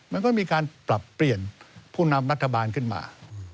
มันก็มีการปรับเปลี่ยนผู้นำรัฐบาลขึ้นมา